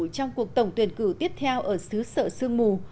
trong cuộc tổng tuyển cử tiếp theo ở xứ sở sương mù